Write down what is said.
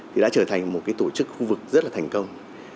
thì đã trở thành một tổ chức khu vực rất là thành công